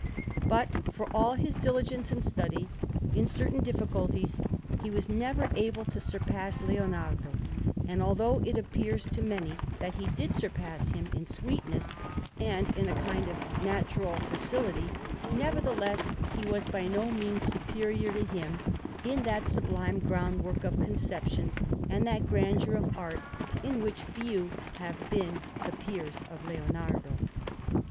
But for all his diligence and study, in certain difficulties he was never able to surpass Leonardo; and although it appears to many that he did surpass him in sweetness and in a kind of natural facility, nevertheless he was by no means superior to him in that sublime groundwork of conceptions and that grandeur of art in which few have been the peers of Leonardo.